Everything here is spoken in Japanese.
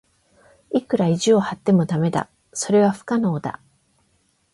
いくら意地を張っても駄目だ。それは不可能だ。